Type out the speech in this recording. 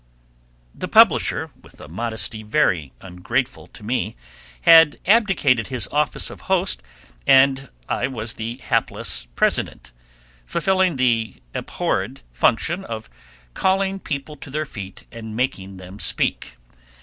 The publisher, with a modesty very ungrateful to me, had abdicated his office of host, and I was the hapless president, fulfilling the abhorred function of calling people to their feet and making them speak.